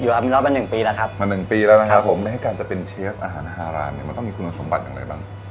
เรามีรอบมาหนึ่งปีแล้วครับมาหนึ่งปีแล้วนะครับผมแม้การจะเป็นเชฟอาหารฮารานเนี่ยมันต้องมีคุณสมบัติอย่างไรบ้าง